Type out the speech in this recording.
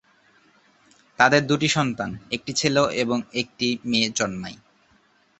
তাদের দুটি সন্তান- একটি ছেলে এবং একটি মেয়ে জন্মায়।